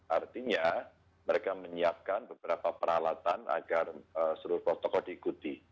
artinya mereka menyiapkan beberapa peralatan agar seluruh protokol diikuti